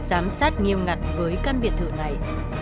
giám sát nghiêm ngặt với căn biệt thự này